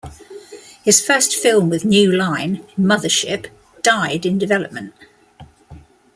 His first film with New Line, "Mothership" died in development.